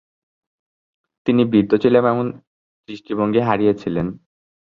তিনি বৃদ্ধ ছিলেন এবং দৃষ্টিশক্তি হারিয়েছিলেন।